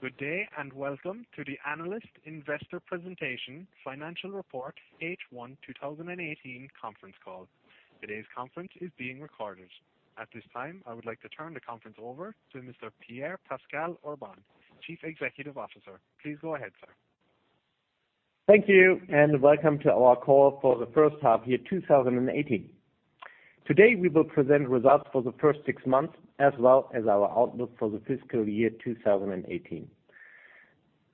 Good day, welcome to the analyst investor presentation financial report H1 2018 conference call. Today's conference is being recorded. At this time, I would like to turn the conference over to Mr. Pierre-Pascal Urbon, Chief Executive Officer. Please go ahead, sir. Thank you, welcome to our call for the first half year 2018. Today, we will present results for the first six months as well as our outlook for the fiscal year 2018.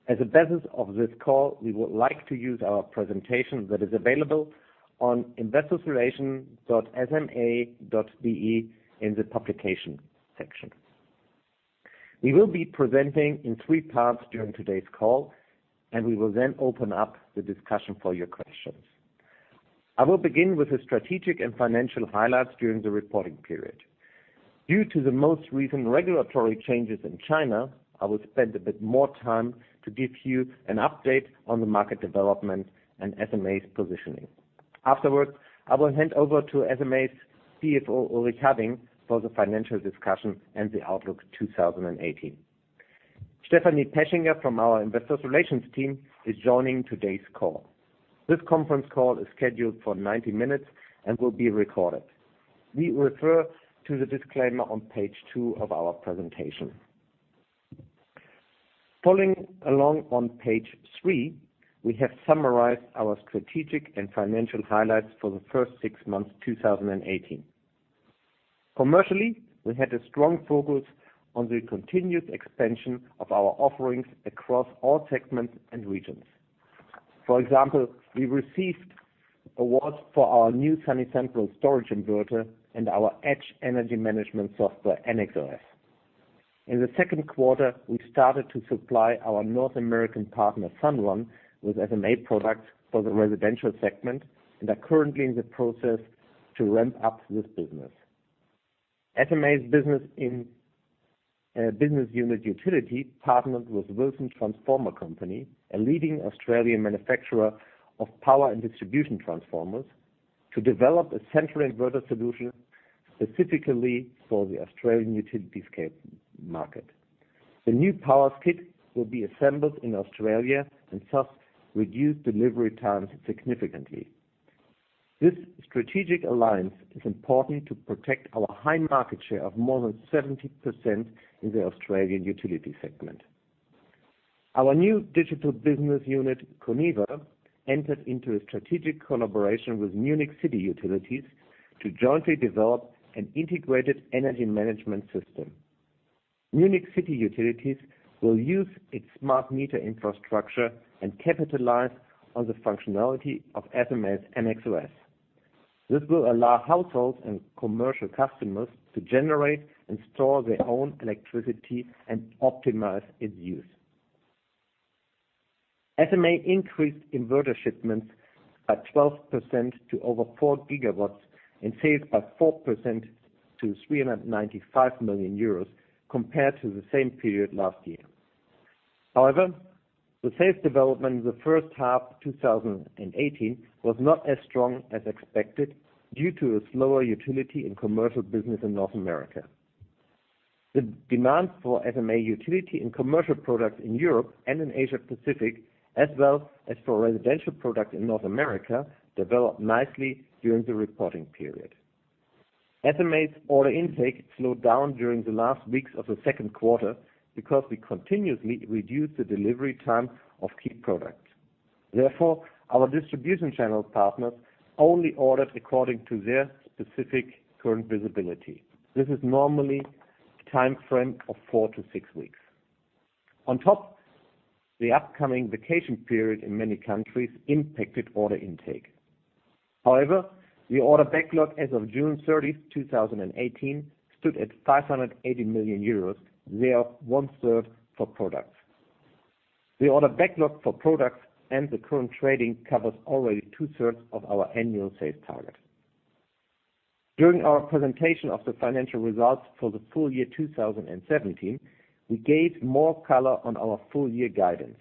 As a basis of this call, we would like to use our presentation that is available on investorrelations.sma.de in the Publication section. We will be presenting in three parts during today's call. We will then open up the discussion for your questions. I will begin with the strategic and financial highlights during the reporting period. Due to the most recent regulatory changes in China, I will spend a bit more time to give you an update on the market development and SMA's positioning. Afterwards, I will hand over to SMA's CFO, Ulrich Hadding, for the financial discussion and the outlook 2018. Susanne Henkel from our investor relations team is joining today's call. This conference call is scheduled for 90 minutes and will be recorded. We refer to the disclaimer on page two of our presentation. Following along on page three, we have summarized our strategic and financial highlights for the first six months 2018. Commercially, we had a strong focus on the continued expansion of our offerings across all segments and regions. For example, we received awards for our new Sunny Central Storage inverter and our edge energy management software, ennexOS. In the second quarter, we started to supply our North American partner, Sunrun, with SMA products for the residential segment and are currently in the process to ramp up this business. SMA's business unit utility partnered with Wilson Transformer Company, a leading Australian manufacturer of power and distribution transformers, to develop a central inverter solution specifically for the Australian utility-scale market. The new power skid will be assembled in Australia and thus reduce delivery times significantly. This strategic alliance is important to protect our high market share of more than 70% in the Australian utility segment. Our new digital business unit, coneva, entered into a strategic collaboration with Munich City Utilities to jointly develop an integrated energy management system. Munich City Utilities will use its smart meter infrastructure and capitalize on the functionality of SMA's ennexOS. This will allow households and commercial customers to generate and store their own electricity and optimize its use. SMA increased inverter shipments by 12% to over 4 gigawatts and sales by 4% to 395 million euros compared to the same period last year. The sales development in the first half 2018 was not as strong as expected due to a slower utility and commercial business in North America. The demand for SMA utility and commercial products in Europe and in Asia Pacific, as well as for residential products in North America, developed nicely during the reporting period. SMA's order intake slowed down during the last weeks of the second quarter because we continuously reduced the delivery time of key products. Therefore, our distribution channel partners only ordered according to their specific current visibility. This is normally a time frame of four to six weeks. On top, the upcoming vacation period in many countries impacted order intake. However, the order backlog as of June 30th, 2018, stood at 580 million euros, thereof one-third for products. The order backlog for products and the current trading covers already two-thirds of our annual sales target. During our presentation of the financial results for the full year 2017, we gave more color on our full year guidance.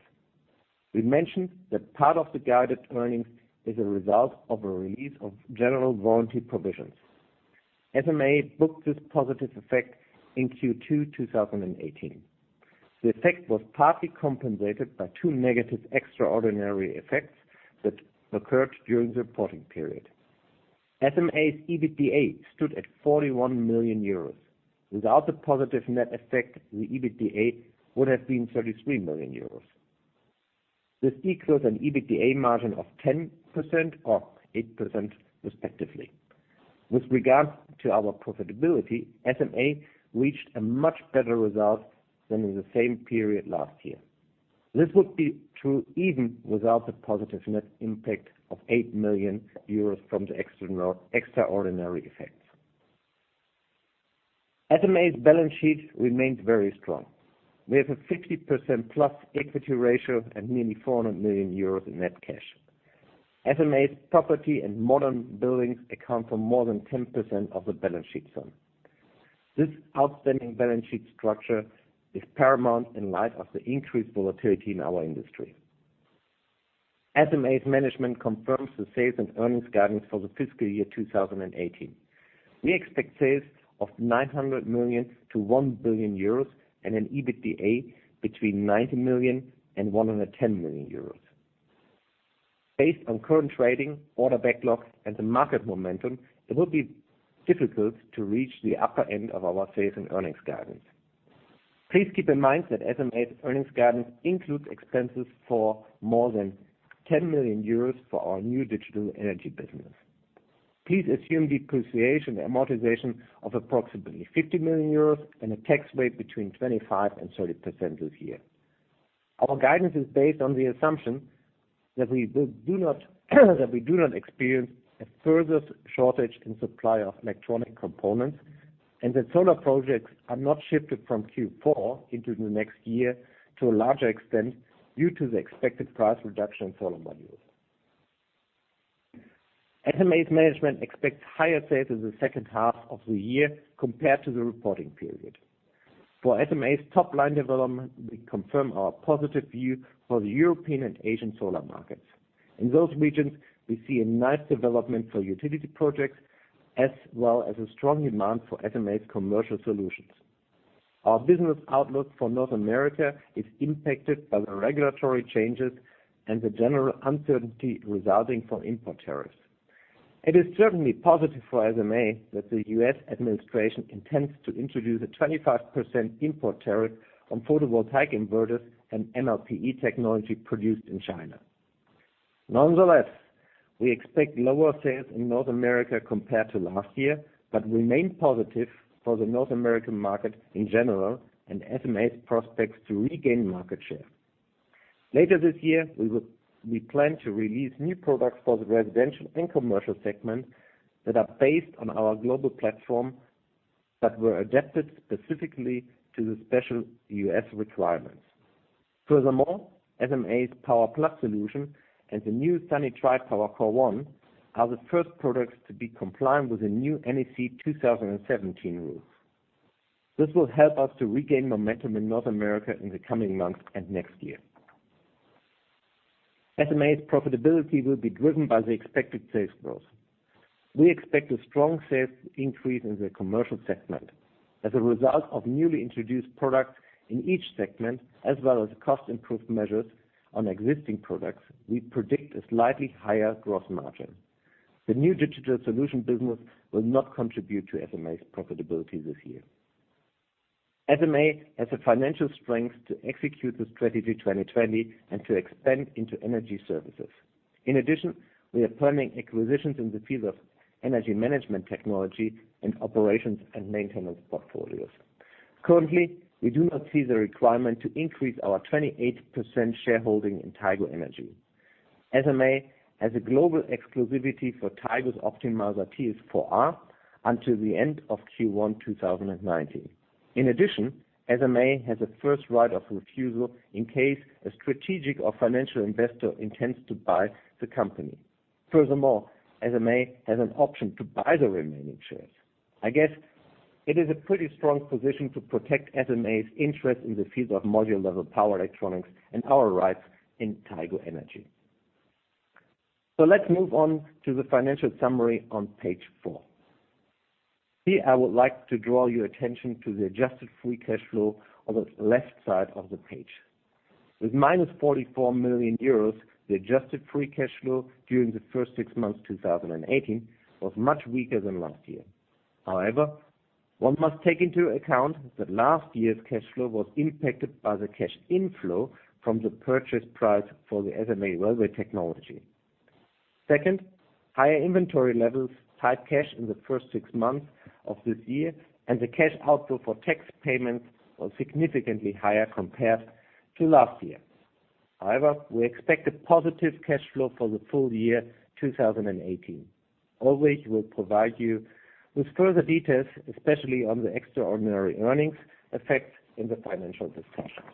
We mentioned that part of the guided earnings is a result of a release of general warranty provisions. SMA booked this positive effect in Q2 2018. The effect was partly compensated by two negative extraordinary effects that occurred during the reporting period. SMA's EBITDA stood at 41 million euros. Without the positive net effect, the EBITDA would have been 33 million euros. This equals an EBITDA margin of 10% or 8% respectively. With regards to our profitability, SMA reached a much better result than in the same period last year. This would be true even without the positive net impact of 8 million euros from the extraordinary effects. SMA's balance sheet remains very strong. We have a 50%-plus equity ratio and nearly 400 million euros in net cash. SMA's property and modern buildings account for more than 10% of the balance sheet sum. This outstanding balance sheet structure is paramount in light of the increased volatility in our industry. SMA's management confirms the sales and earnings guidance for the fiscal year 2018. We expect sales of 900 million to 1 billion euros and an EBITDA between 90 million and 110 million euros. Based on current trading, order backlogs, and the market momentum, it will be difficult to reach the upper end of our sales and earnings guidance. Please keep in mind that SMA's earnings guidance includes expenses for more than 10 million euros for our new digital energy business. Please assume depreciation and amortization of approximately 50 million euros and a tax rate between 25% and 30% this year. Our guidance is based on the assumption that we do not experience a further shortage in supply of electronic components and that solar projects are not shifted from Q4 into the next year to a larger extent due to the expected price reduction in solar modules. SMA's management expects higher sales in the second half of the year compared to the reporting period. For SMA's top-line development, we confirm our positive view for the European and Asian solar markets. In those regions, we see a nice development for utility projects, as well as a strong demand for SMA's commercial solutions. Our business outlook for North America is impacted by the regulatory changes and the general uncertainty resulting from import tariffs. It is certainly positive for SMA that the U.S. administration intends to introduce a 25% import tariff on photovoltaic inverters and MLPE technology produced in China. Nonetheless, we expect lower sales in North America compared to last year, but remain positive for the North American market in general and SMA's prospects to regain market share. Later this year, we plan to release new products for the residential and commercial segment that are based on our global platform, but were adapted specifically to the special U.S. requirements. Furthermore, SMA's Power+ Solution and the new Sunny Tripower CORE1 are the first products to be compliant with the new NEC 2017 rules. This will help us to regain momentum in North America in the coming months and next year. SMA's profitability will be driven by the expected sales growth. We expect a strong sales increase in the commercial segment. As a result of newly introduced products in each segment, as well as cost improvement measures on existing products, we predict a slightly higher gross margin. The new digital solution business will not contribute to SMA's profitability this year. SMA has the financial strength to execute the Strategy 2020 and to expand into energy services. In addition, we are planning acquisitions in the field of energy management technology and operations and maintenance portfolios. Currently, we do not see the requirement to increase our 28% shareholding in Tigo Energy. SMA has a global exclusivity for Tigo's optimizer TS4-A until the end of Q1 2019. In addition, SMA has a first right of refusal in case a strategic or financial investor intends to buy the company. Furthermore, SMA has an option to buy the remaining shares. I guess it is a pretty strong position to protect SMA's interest in the field of module-level power electronics and our rights in Tigo Energy. Let's move on to the financial summary on page four. Here, I would like to draw your attention to the adjusted free cash flow on the left side of the page. With minus 44 million euros, the adjusted free cash flow during the first six months 2018 was much weaker than last year. However, one must take into account that last year's cash flow was impacted by the cash inflow from the purchase price for the SMA Railway Technology. Second, higher inventory levels tied cash in the first six months of this year, and the cash outflow for tax payments was significantly higher compared to last year. However, we expect a positive cash flow for the full year 2018. Ulrich will provide you with further details, especially on the extraordinary earnings effects in the financial discussions.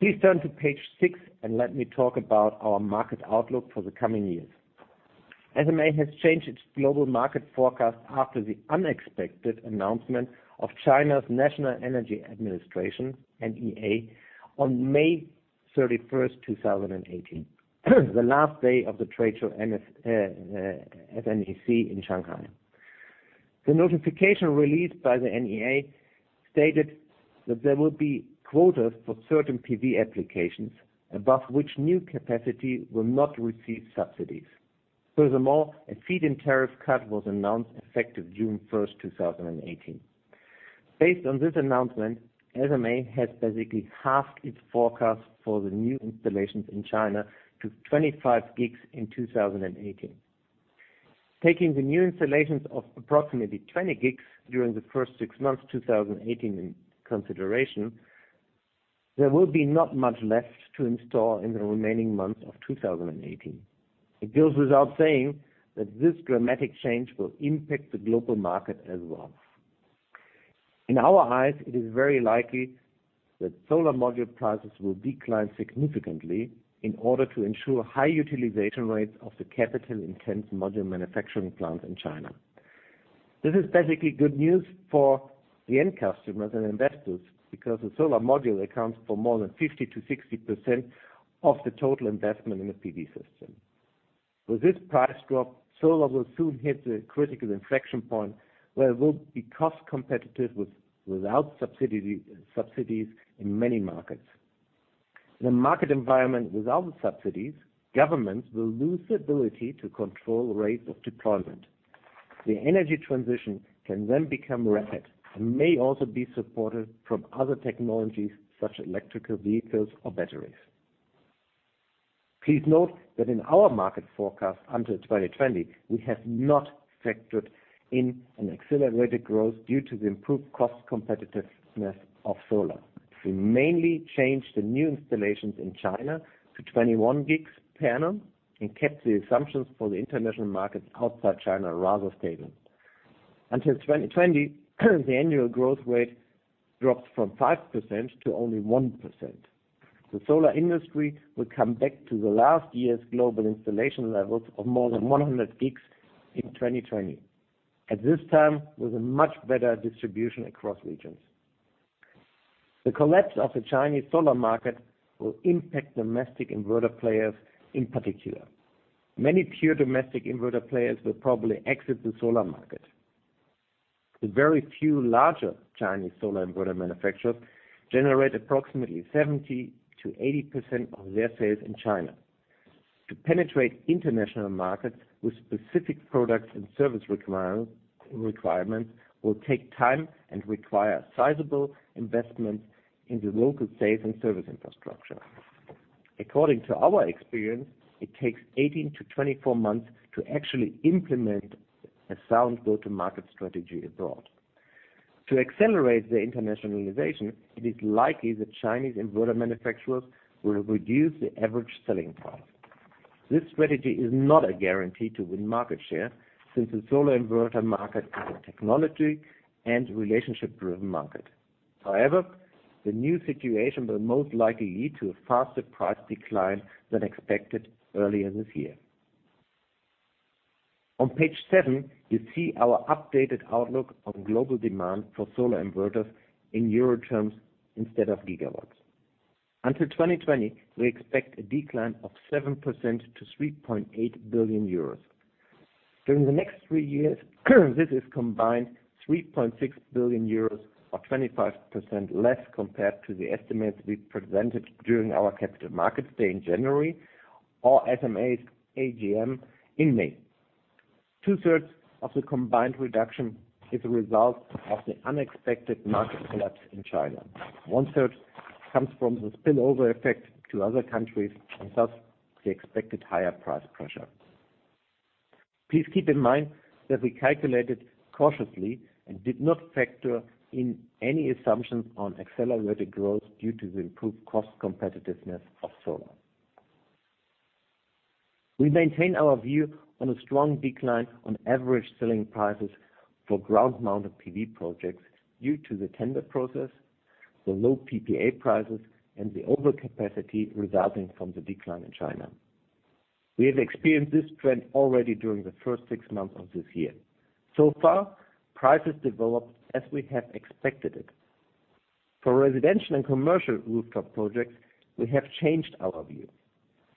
Please turn to page six and let me talk about our market outlook for the coming years. SMA has changed its global market forecast after the unexpected announcement of China's National Energy Administration, NEA, on May 31st, 2018, the last day of the trade show SNEC in Shanghai. The notification released by the NEA stated that there will be quotas for certain PV applications above which new capacity will not receive subsidies. Furthermore, a feed-in tariff cut was announced effective June 1st, 2018. Based on this announcement, SMA has basically halved its forecast for the new installations in China to 25 GW in 2018. Taking the new installations of approximately 20 GW during the first six months 2018 in consideration, there will be not much left to install in the remaining months of 2018. It goes without saying that this dramatic change will impact the global market as well. In our eyes, it is very likely that solar module prices will decline significantly in order to ensure high utilization rates of the capital-intense module manufacturing plants in China. This is basically good news for the end customers and investors because the solar module accounts for more than 50%-60% of the total investment in the PV system. With this price drop, solar will soon hit the critical inflection point where it will be cost competitive without subsidies in many markets. In a market environment without the subsidies, governments will lose the ability to control rates of deployment. The energy transition can then become rapid and may also be supported from other technologies, such as electrical vehicles or batteries. Please note that in our market forecast until 2020, we have not factored in an accelerated growth due to the improved cost competitiveness of solar. We mainly change the new installations in China to 21 gigs per annum and kept the assumptions for the international markets outside China rather stable. Until 2020, the annual growth rate drops from 5% to only 1%. The solar industry will come back to the last year's global installation levels of more than 100 gigs in 2020. At this time, with a much better distribution across regions. The collapse of the Chinese solar market will impact domestic inverter players in particular. Many pure domestic inverter players will probably exit the solar market. The very few larger Chinese solar inverter manufacturers generate approximately 70%-80% of their sales in China. To penetrate international markets with specific products and service requirements will take time and require sizable investments in the local sales and service infrastructure. According to our experience, it takes 18-24 months to actually implement a sound go-to-market strategy abroad. To accelerate the internationalization, it is likely that Chinese inverter manufacturers will reduce the average selling price. This strategy is not a guarantee to win market share since the solar inverter market is a technology and relationship-driven market. However, the new situation will most likely lead to a faster price decline than expected earlier this year. On page seven, you see our updated outlook on global demand for solar inverters in EUR terms instead of gigawatts. Until 2020, we expect a decline of 7% to 3.8 billion euros. During the next three years, this is combined 3.6 billion euros or 25% less compared to the estimates we presented during our capital markets day in January or SMA's AGM in May. Two-thirds of the combined reduction is a result of the unexpected market collapse in China. One-third comes from the spillover effect to other countries and thus the expected higher price pressure. Please keep in mind that we calculated cautiously and did not factor in any assumptions on accelerated growth due to the improved cost competitiveness of solar. We maintain our view on a strong decline on average selling prices for ground-mounted PV projects due to the tender process, the low PPA prices, and the overcapacity resulting from the decline in China. We have experienced this trend already during the first six months of this year. So far, prices developed as we have expected it. For residential and commercial rooftop projects, we have changed our view.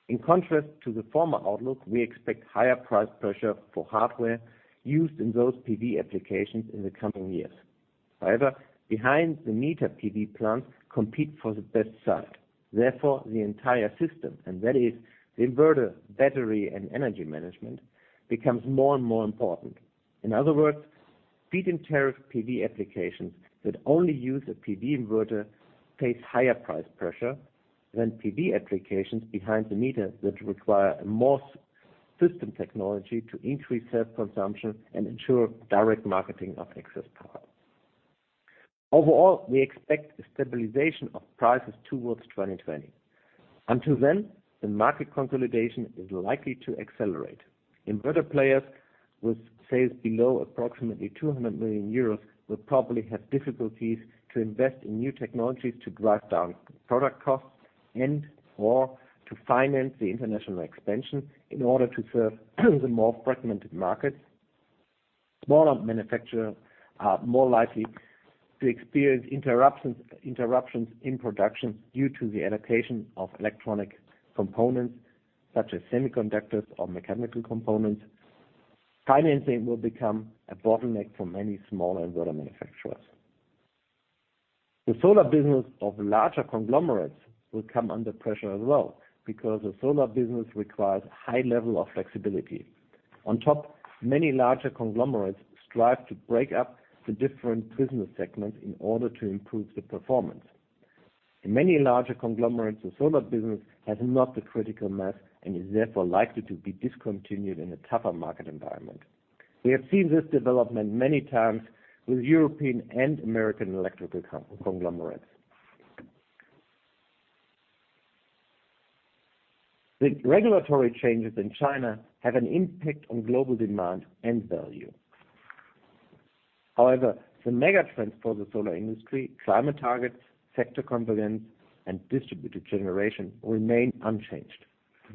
In contrast to the former outlook, we expect higher price pressure for hardware used in those PV applications in the coming years. However, behind the meter PV plants compete for the best site. Therefore, the entire system, and that is the inverter, battery, and energy management, becomes more and more important. In other words, feed-in tariff PV applications that only use a PV inverter face higher price pressure than PV applications behind the meter that require a more system technology to increase self-consumption and ensure direct marketing of excess power. Overall, we expect a stabilization of prices towards 2020. Until then, the market consolidation is likely to accelerate. Inverter players with sales below approximately 200 million euros will probably have difficulties to invest in new technologies to drive down product costs and/or to finance the international expansion in order to serve the more fragmented markets. Smaller manufacturers are more likely to experience interruptions in production due to the allocation of electronic components such as semiconductors or mechanical components. Financing will become a bottleneck for many small inverter manufacturers. The solar business of larger conglomerates will come under pressure as well because the solar business requires a high level of flexibility. On top, many larger conglomerates strive to break up the different business segments in order to improve the performance. In many larger conglomerates, the solar business has not the critical mass and is therefore likely to be discontinued in a tougher market environment. We have seen this development many times with European and American electrical conglomerates. The regulatory changes in China have an impact on global demand and value. However, the mega trends for the solar industry, climate targets, sector convergence, and distributed generation remain unchanged.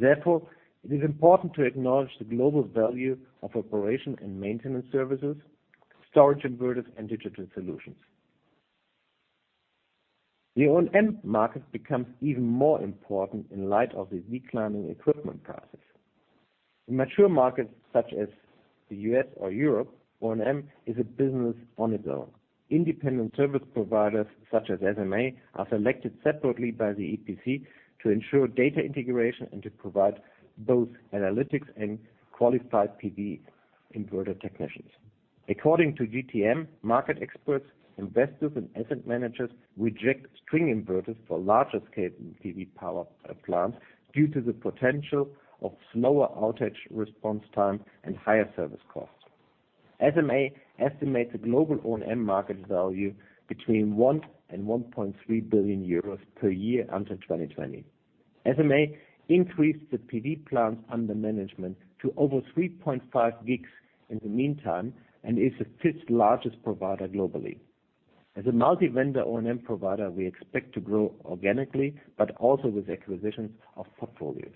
Therefore, it is important to acknowledge the global value of operation and maintenance services, storage inverters, and digital solutions. The O&M market becomes even more important in light of the declining equipment prices. In mature markets such as the U.S. or Europe, O&M is a business on its own. Independent service providers such as SMA are selected separately by the EPC to ensure data integration and to provide both analytics and qualified PV inverter technicians. According to GTM, market experts, investors, and asset managers reject string inverters for larger scale PV power plants due to the potential of slower outage response time and higher service costs. SMA estimates the global O&M market value between one and 1.3 billion euros per year until 2020. SMA increased the PV plans under management to over 3.5 gigs in the meantime and is the fifth largest provider globally. As a multi-vendor O&M provider, we expect to grow organically, but also with acquisitions of portfolios.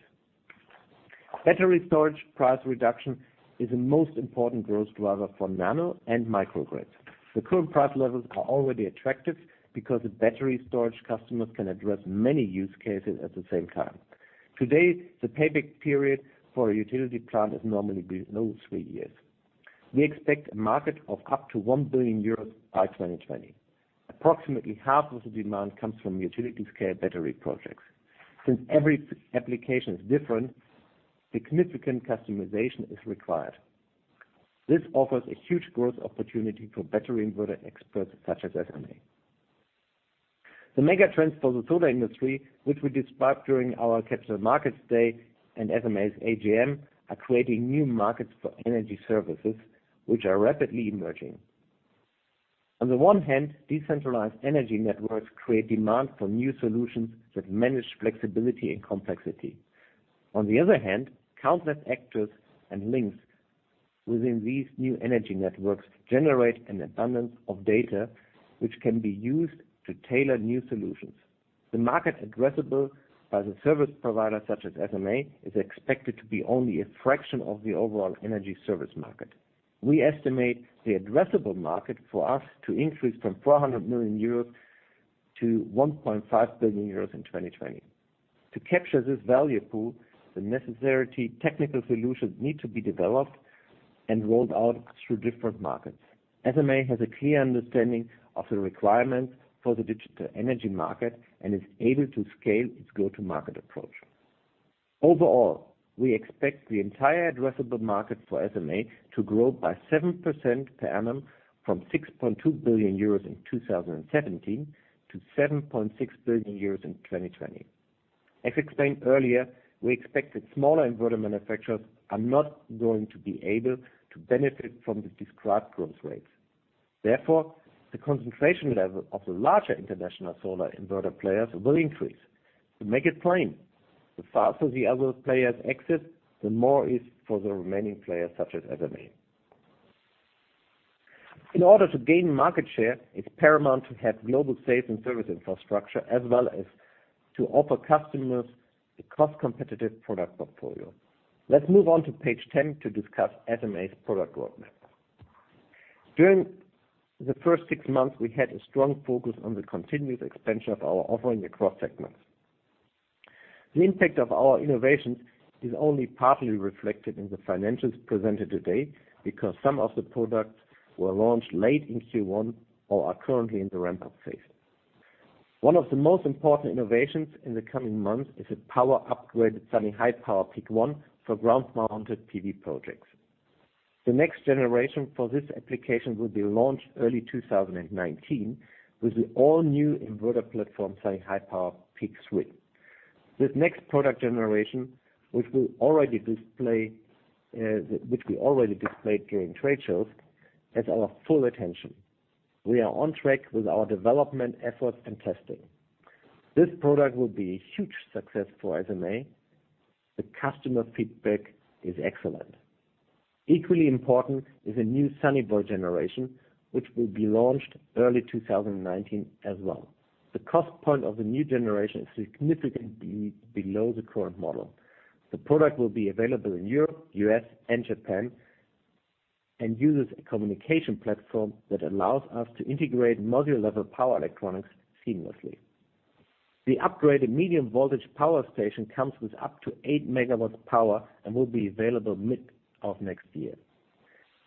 Battery storage price reduction is the most important growth driver for nano and micro grids. The current price levels are already attractive because the battery storage customers can address many use cases at the same time. Today, the payback period for a utility plant is normally below three years. We expect a market of up to 1 billion euros by 2020. Approximately half of the demand comes from utility scale battery projects. Since every application is different, significant customization is required. This offers a huge growth opportunity for battery inverter experts such as SMA. The mega trends for the solar industry, which we described during our Capital Markets Day and SMA's AGM, are creating new markets for energy services, which are rapidly emerging. On the one hand, decentralized energy networks create demand for new solutions that manage flexibility and complexity. On the other hand, countless actors and links within these new energy networks generate an abundance of data which can be used to tailor new solutions. The market addressable by the service provider such as SMA, is expected to be only a fraction of the overall energy service market. We estimate the addressable market for us to increase from 400 million euros to 1.5 billion euros in 2020. To capture this value pool, the necessary technical solutions need to be developed and rolled out through different markets. SMA has a clear understanding of the requirements for the digital energy market and is able to scale its go-to-market approach. Overall, we expect the entire addressable market for SMA to grow by 7% per annum from 6.2 billion euros in 2017 to 7.6 billion euros in 2020. As explained earlier, we expect that smaller inverter manufacturers are not going to be able to benefit from the described growth rates. Therefore, the concentration level of the larger international solar inverter players will increase. To make it plain, the faster the other players exit, the more is for the remaining players such as SMA. In order to gain market share, it's paramount to have global sales and service infrastructure, as well as to offer customers a cost-competitive product portfolio. Let's move on to page 10 to discuss SMA's product roadmap. During the first six months, we had a strong focus on the continuous expansion of our offering across segments. The impact of our innovations is only partly reflected in the financials presented today because some of the products were launched late in Q1 or are currently in the ramp-up phase. One of the most important innovations in the coming months is a power upgrade Sunny Highpower PEAK1 for ground-mounted PV projects. The next generation for this application will be launched early 2019 with the all-new inverter platform, Sunny Highpower PEAK3. This next product generation, which we already displayed during trade shows, has our full attention. We are on track with our development efforts and testing. This product will be a huge success for SMA. The customer feedback is excellent. Equally important is a new Sunny Boy generation, which will be launched early 2019 as well. The cost point of the new generation is significantly below the current model. The product will be available in Europe, U.S., and Japan, and uses a communication platform that allows us to integrate module-level power electronics seamlessly. The upgraded medium voltage power station comes with up to eight megawatts of power and will be available mid of next year.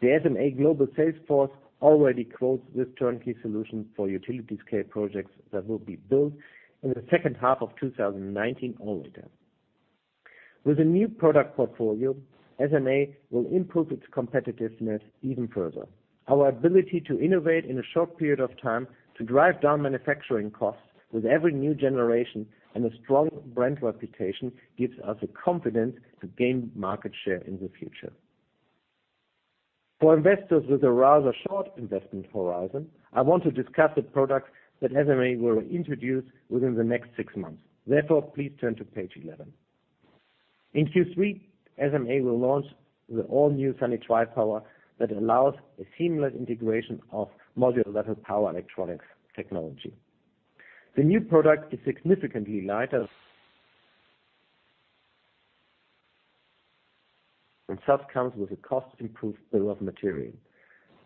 The SMA global sales force already quotes this turnkey solution for utility-scale projects that will be built in the second half of 2019 or later. With a new product portfolio, SMA will improve its competitiveness even further. Our ability to innovate in a short period of time, to drive down manufacturing costs with every new generation, and a strong brand reputation gives us the confidence to gain market share in the future. For investors with a rather short investment horizon, I want to discuss the products that SMA will introduce within the next six months. Therefore, please turn to page 11. In Q3, SMA will launch the all-new Sunny Tripower that allows a seamless integration of module-level power electronics technology. The new product is significantly lighter and thus comes with a cost-improved bill of material.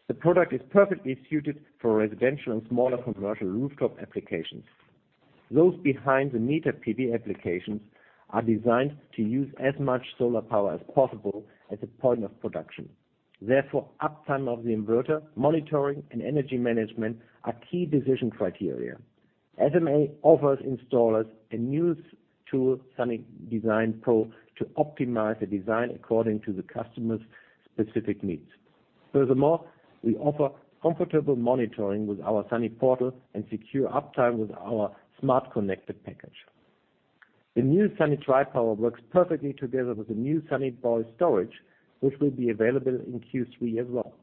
The product is perfectly suited for residential and smaller commercial rooftop applications. Those behind the meter PV applications are designed to use as much solar power as possible at the point of production. Therefore, uptime of the inverter, monitoring, and energy management are key decision criteria. SMA offers installers a new tool, Sunny Design Pro, to optimize the design according to the customer's specific needs. Furthermore, we offer comfortable monitoring with our Sunny Portal and secure uptime with our SMA Smart Connected package. The new Sunny Tripower works perfectly together with the new Sunny Boy Storage, which will be available in Q3 as well.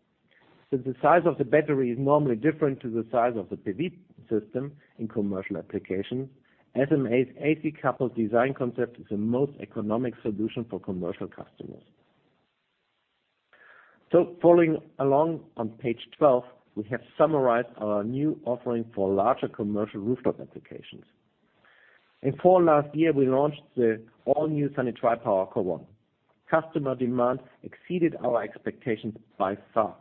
Since the size of the battery is normally different to the size of the PV system in commercial applications, SMA's AC-coupled design concept is the most economic solution for commercial customers. Following along on page 12, we have summarized our new offering for larger commercial rooftop applications. In fall last year, we launched the all-new Sunny Tripower CORE1. Customer demand exceeded our expectations by far.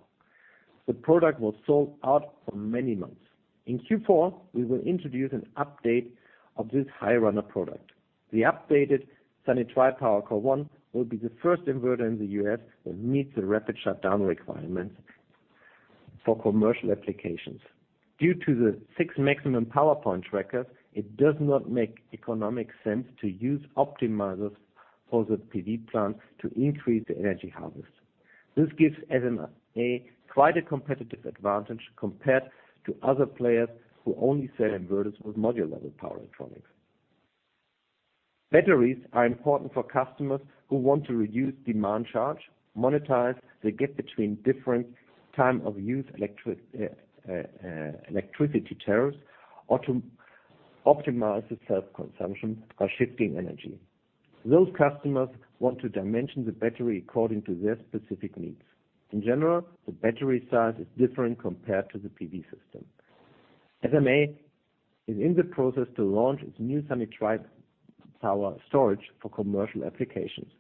The product was sold out for many months. In Q4, we will introduce an update of this high-runner product. The updated Sunny Tripower CORE1 will be the first inverter in the U.S. that meets the rapid shutdown requirements for commercial applications. Due to the 6 maximum power point trackers, it does not make economic sense to use optimizers for the PV plant to increase the energy harvest. This gives SMA quite a competitive advantage compared to other players who only sell inverters with module-level power electronics. Batteries are important for customers who want to reduce demand charge, monetize the gap between different time of use electricity tariffs, or to optimize the self-consumption by shifting energy. Those customers want to dimension the battery according to their specific needs. In general, the battery size is different compared to the PV system. SMA is in the process to launch its new Sunny Tripower Storage for commercial applications.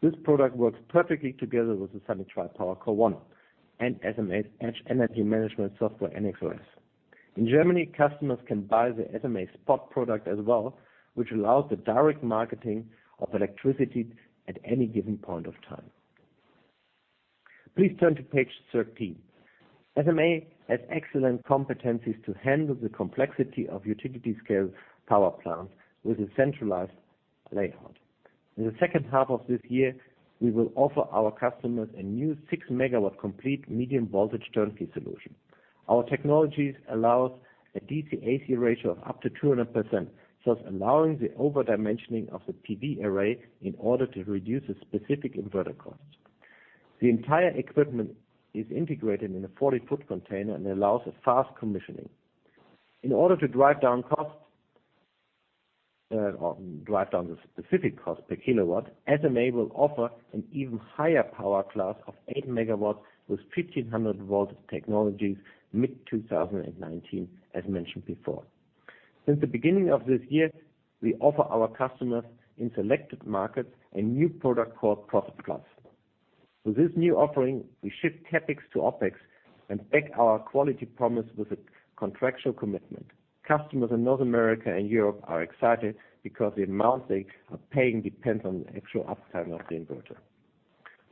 This product works perfectly together with the Sunny Tripower CORE1 and SMA's energy management software, ennexOS. In Germany, customers can buy the SMA SPOT product as well, which allows the direct marketing of electricity at any given point of time. Please turn to page 13. SMA has excellent competencies to handle the complexity of utility scale power plants with a centralized layout. In the second half of this year, we will offer our customers a new 6 megawatt complete medium voltage turnkey solution. Our technologies allows a DC/AC ratio of up to 200%, thus allowing the over dimensioning of the PV array in order to reduce the specific inverter cost. The entire equipment is integrated in a 40-foot container and allows a fast commissioning. In order to drive down the specific cost per kilowatt, SMA will offer an even higher power class of 8 megawatts with 1,500 volt technologies mid-2019, as mentioned before. Since the beginning of this year, we offer our customers in selected markets a new product called Profit+. With this new offering, we shift CapEx to OpEx and back our quality promise with a contractual commitment. Customers in North America and Europe are excited because the amount they are paying depends on the actual uptime of the inverter.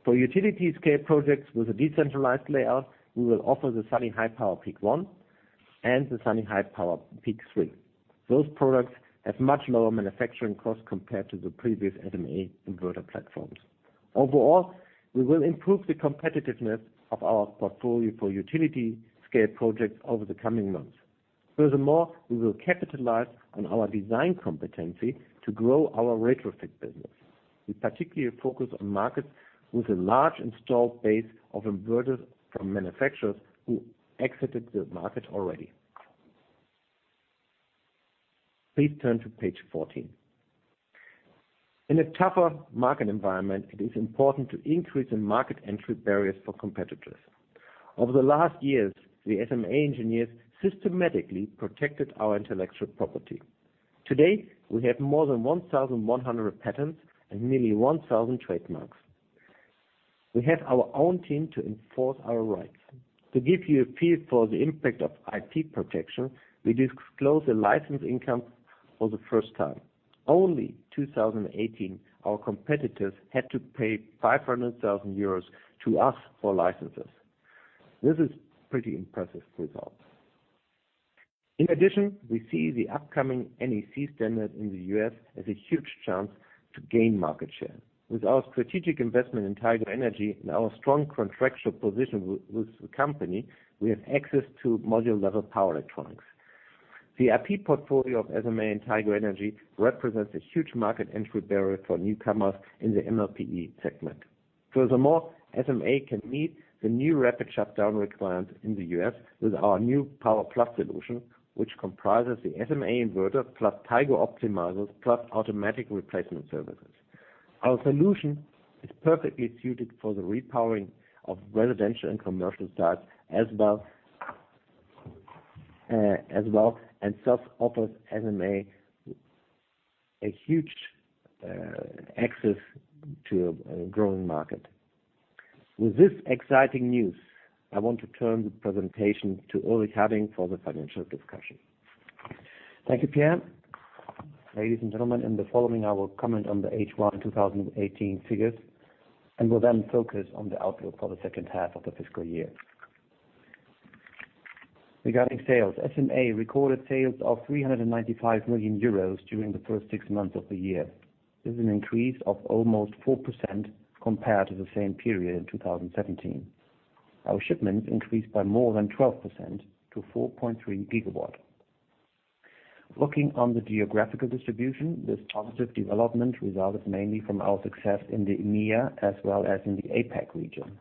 For utility scale projects with a decentralized layout, we will offer the Sunny Highpower PEAK1 and the Sunny Highpower PEAK3. Those products have much lower manufacturing costs compared to the previous SMA inverter platforms. Overall, we will improve the competitiveness of our portfolio for utility scale projects over the coming months. Furthermore, we will capitalize on our design competency to grow our retrofit business. We particularly focus on markets with a large installed base of inverters from manufacturers who exited the market already. Please turn to page 14. In a tougher market environment, it is important to increase the market entry barriers for competitors. Over the last years, the SMA engineers systematically protected our intellectual property. Today, we have more than 1,100 patents and nearly 1,000 trademarks. We have our own team to enforce our rights. To give you a feel for the impact of IP protection, we disclose the license income for the first time. Only 2018, our competitors had to pay 500,000 euros to us for licenses. This is pretty impressive result. In addition, we see the upcoming NEC standard in the U.S. as a huge chance to gain market share. With our strategic investment in Tigo Energy and our strong contractual position with the company, we have access to module-level power electronics. The IP portfolio of SMA and Tigo Energy represents a huge market entry barrier for newcomers in the MLPE segment. Furthermore, SMA can meet the new rapid shutdown requirements in the U.S. with our new Power+ Solution, which comprises the SMA inverter, plus Tigo optimizers, plus automatic replacement services. Our solution is perfectly suited for the repowering of residential and commercial sites as well, and thus offers SMA a huge access to a growing market. With this exciting news, I want to turn the presentation to Ulrich Hadding for the financial discussion. Thank you, Pierre. Ladies and gentlemen, in the following, I will comment on the H1 2018 figures and will then focus on the outlook for the second half of the fiscal year. Regarding sales, SMA recorded sales of 395 million euros during the first six months of the year. This is an increase of almost 4% compared to the same period in 2017. Our shipments increased by more than 12% to 4.3 gigawatt. Looking on the geographical distribution, this positive development resulted mainly from our success in the EMEA as well as in the APAC region.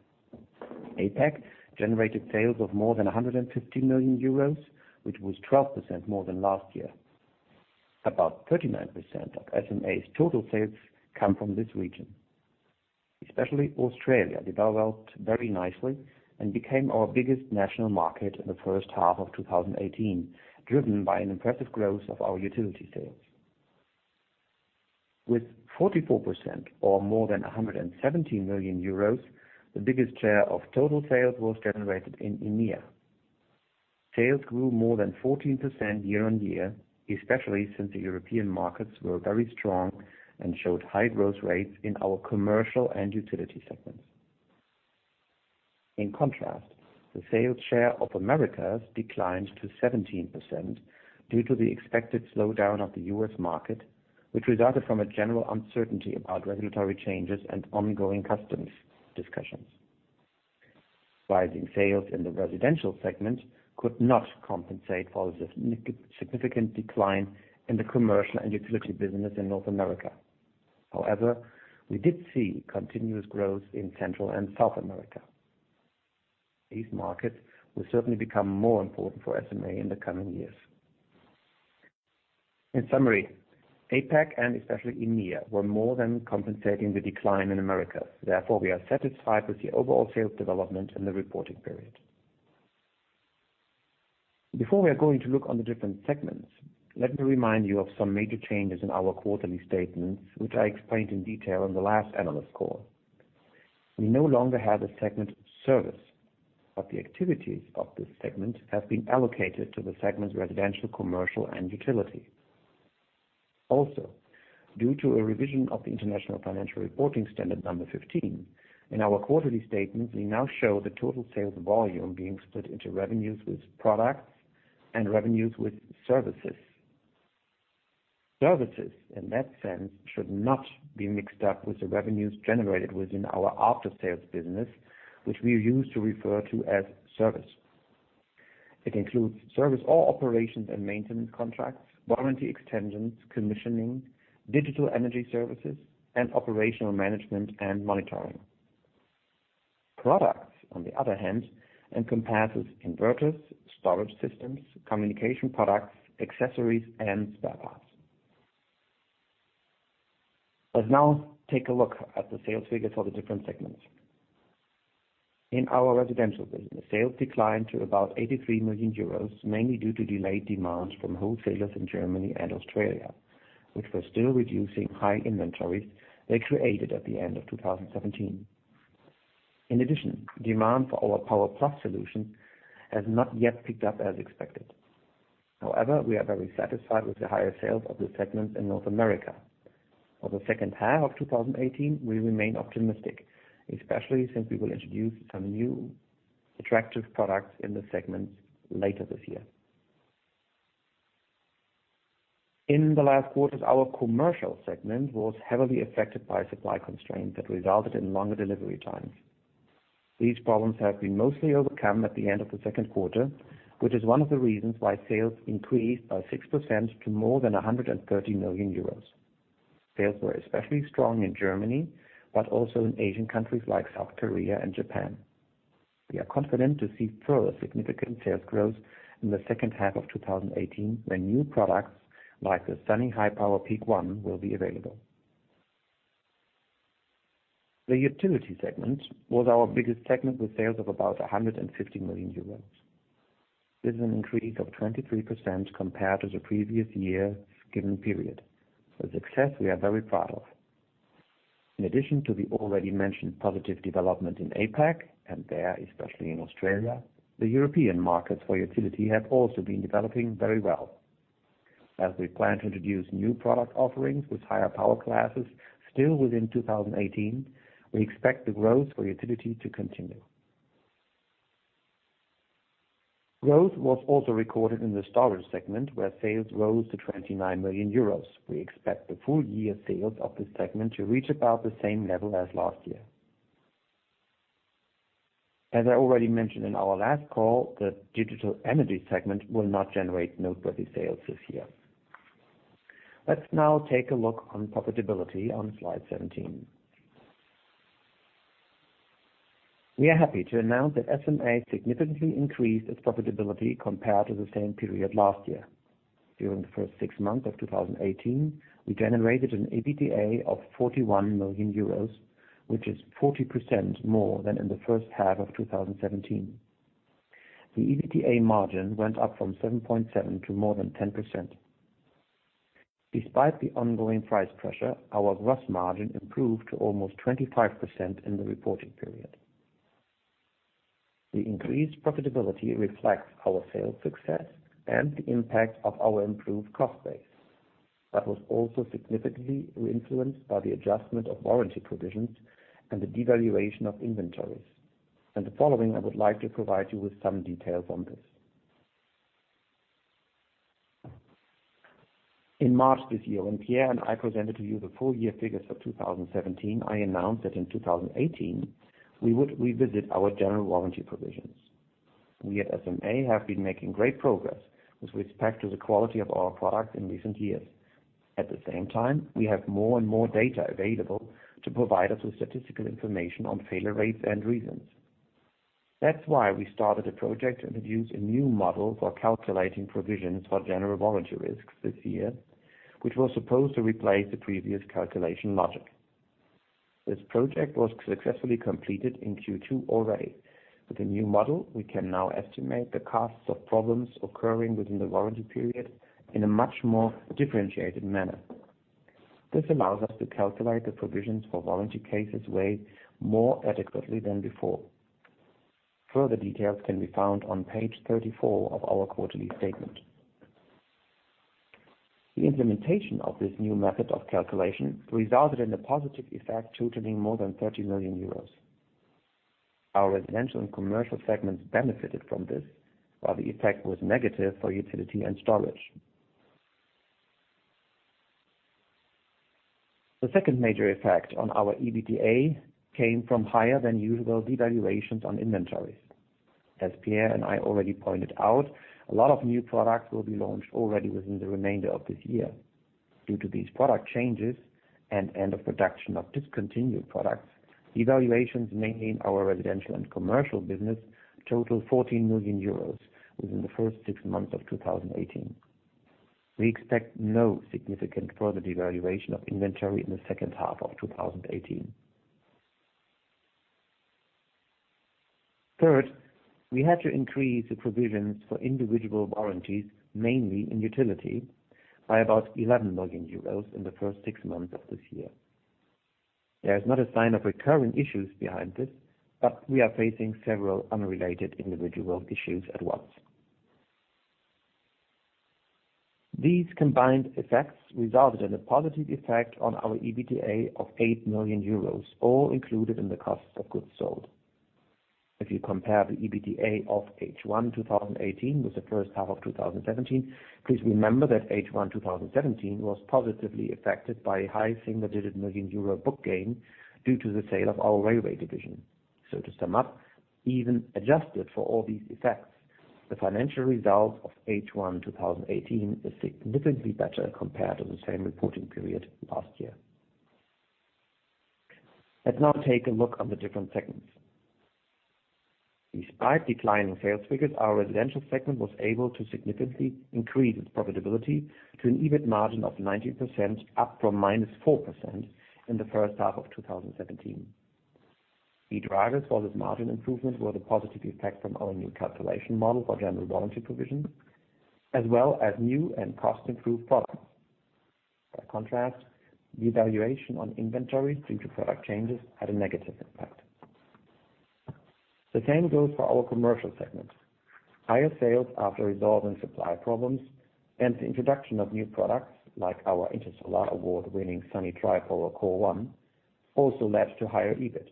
APAC generated sales of more than 150 million euros, which was 12% more than last year. About 39% of SMA's total sales come from this region. Especially Australia developed very nicely and became our biggest national market in the first half of 2018, driven by an impressive growth of our utility sales. With 44%, or more than 117 million euros, the biggest share of total sales was generated in EMEA. Sales grew more than 14% year-on-year, especially since the European markets were very strong and showed high growth rates in our commercial and utility segments. In contrast, the sales share of Americas declined to 17% due to the expected slowdown of the U.S. market, which resulted from a general uncertainty about regulatory changes and ongoing customs discussions. Rising sales in the residential segment could not compensate for the significant decline in the commercial and utility business in North America. However, we did see continuous growth in Central and South America. These markets will certainly become more important for SMA in the coming years. In summary, APAC and especially EMEA were more than compensating the decline in America. Therefore, we are satisfied with the overall sales development in the reporting period. Before we are going to look on the different segments, let me remind you of some major changes in our quarterly statements, which I explained in detail on the last analyst call. We no longer have a segment service, but the activities of this segment have been allocated to the segment residential, commercial, and utility. Also, due to a revision of the International Financial Reporting Standard number 15, in our quarterly statement, we now show the total sales volume being split into revenues with products and revenues with services. Services, in that sense, should not be mixed up with the revenues generated within our after-sales business, which we use to refer to as service. It includes service or operations and maintenance contracts, warranty extensions, commissioning, digital energy services, and operational management and monitoring. Products, on the other hand, encompasses inverters, storage systems, communication products, accessories, and spare parts. Let's now take a look at the sales figures for the different segments. In our residential business, sales declined to about 83 million euros, mainly due to delayed demands from wholesalers in Germany and Australia, which were still reducing high inventories they created at the end of 2017. In addition, demand for our Power+ Solution has not yet picked up as expected. However, we are very satisfied with the higher sales of this segment in North America. For the second half of 2018, we remain optimistic, especially since we will introduce some new attractive products in this segment later this year. In the last quarters, our commercial segment was heavily affected by supply constraints that resulted in longer delivery times. These problems have been mostly overcome at the end of the second quarter, which is one of the reasons why sales increased by 6% to more than 130 million euros. Sales were especially strong in Germany, but also in Asian countries like South Korea and Japan. We are confident to see further significant sales growth in the second half of 2018, when new products like the Sunny Highpower PEAK1 will be available. The utility segment was our biggest segment, with sales of about 150 million euros. This is an increase of 23% compared to the previous year's given period. A success we are very proud of. In addition to the already mentioned positive development in APAC, and there, especially in Australia, the European markets for utility have also been developing very well. As we plan to introduce new product offerings with higher power classes still within 2018, we expect the growth for utility to continue. Growth was also recorded in the storage segment where sales rose to 29 million euros. We expect the full year sales of this segment to reach about the same level as last year. As I already mentioned in our last call, the digital energy segment will not generate noteworthy sales this year. Let's now take a look on profitability on slide 17. We are happy to announce that SMA significantly increased its profitability compared to the same period last year. During the first six months of 2018, we generated an EBITDA of 41 million euros, which is 40% more than in the first half of 2017. The EBITDA margin went up from 7.7% to more than 10%. Despite the ongoing price pressure, our gross margin improved to almost 25% in the reporting period. The increased profitability reflects our sales success and the impact of our improved cost base. That was also significantly influenced by the adjustment of warranty provisions and the devaluation of inventories. In the following, I would like to provide you with some details on this. In March this year, when Pierre and I presented to you the full year figures for 2017, I announced that in 2018 we would revisit our general warranty provisions. We at SMA have been making great progress with respect to the quality of our products in recent years. At the same time, we have more and more data available to provide us with statistical information on failure rates and reasons. That's why we started a project to introduce a new model for calculating provisions for general warranty risks this year, which was supposed to replace the previous calculation logic. This project was successfully completed in Q2 already. With the new model, we can now estimate the costs of problems occurring within the warranty period in a much more differentiated manner. This allows us to calculate the provisions for warranty cases way more adequately than before. Further details can be found on page 34 of our quarterly statement. The implementation of this new method of calculation resulted in a positive effect totaling more than 30 million euros. Our residential and commercial segments benefited from this, while the effect was negative for utility and storage. The second major effect on our EBITDA came from higher than usual devaluations on inventories. As Pierre and I already pointed out, a lot of new products will be launched already within the remainder of this year. Due to these product changes and end of production of discontinued products, devaluations mainly in our residential and commercial business totaled 14 million euros within the first six months of 2018. We expect no significant further devaluation of inventory in the second half of 2018. Third, we had to increase the provisions for individual warranties, mainly in utility, by about 11 million euros in the first six months of this year. There is not a sign of recurring issues behind this, but we are facing several unrelated individual issues at once. These combined effects resulted in a positive effect on our EBITDA of 8 million euros, all included in the cost of goods sold. If you compare the EBITDA of H1 2018 with the first half of 2017, please remember that H1 2017 was positively affected by a high single-digit million EUR book gain due to the sale of our railway division. To sum up, even adjusted for all these effects, the financial result of H1 2018 is significantly better compared to the same reporting period last year. Let's now take a look on the different segments. Despite declining sales figures, our residential segment was able to significantly increase its profitability to an EBIT margin of 19%, up from -4% in the first half of 2017. The drivers for this margin improvement were the positive effect from our new calculation model for general warranty provisions, as well as new and cost-improved products. By contrast, the evaluation on inventories due to product changes had a negative impact. The same goes for our commercial segment. Higher sales after resolving supply problems and the introduction of new products, like our Intersolar AWARD-winning Sunny Tripower CORE1, also led to higher EBIT.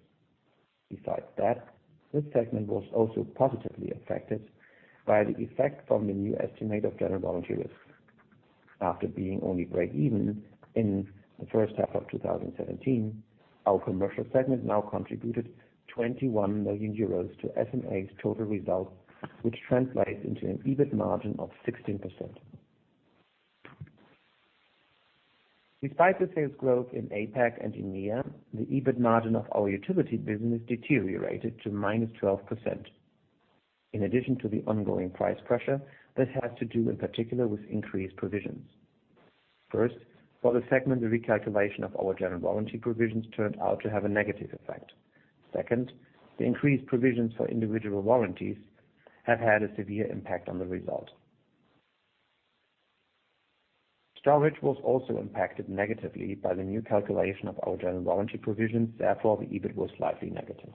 Besides that, this segment was also positively affected by the effect from the new estimate of general warranty risk. After being only breakeven in the first half of 2017, our commercial segment now contributed 21 million euros to SMA's total result, which translates into an EBIT margin of 16%. Despite the sales growth in APAC and EMEA, the EBIT margin of our utility business deteriorated to -12%. In addition to the ongoing price pressure, this has to do in particular with increased provisions. First, for the segment, the recalculation of our general warranty provisions turned out to have a negative effect. Second, the increased provisions for individual warranties have had a severe impact on the result. Storage was also impacted negatively by the new calculation of our general warranty provisions. Therefore, the EBIT was slightly negative.